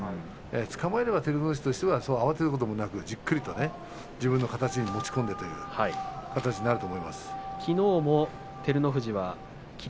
つかまえれば照ノ富士としては慌てることなく、じっくりと自分の形に持ち込んできのうも照ノ富士は霧